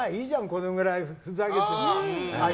このぐらいふざけてもって。